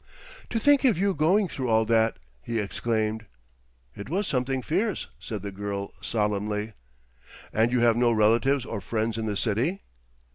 "To think of you going through all that," he exclaimed. "It was something fierce," said the girl, solemnly. "And you have no relatives or friends in the city?"